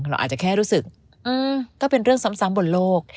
เราอาจจะแค่รู้สึกก็เป็นเรื่องซ้ำบนโลก